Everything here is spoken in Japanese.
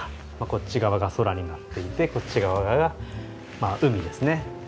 こっち側が空になっていてこっち側が海ですね。